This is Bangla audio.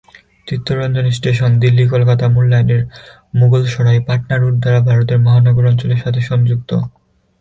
চিত্তরঞ্জন স্টেশন দিল্লি-কলকাতা মূল লাইনের মুগলসরাই-পাটনা রুট দ্বারা ভারতের মহানগর অঞ্চলের সঙ্গে সংযুক্ত।